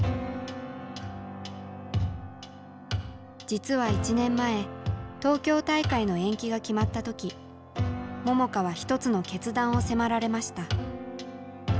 実は１年前東京大会の延期が決まった時桃佳は一つの決断を迫られました。